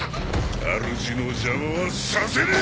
あるじの邪魔はさせねえ！